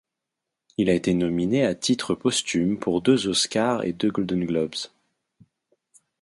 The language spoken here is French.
Il a été nominé à titre posthume pour deux Oscars et deux Golden Globes.